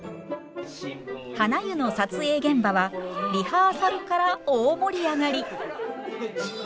はな湯の撮影現場はリハーサルから大盛り上がり！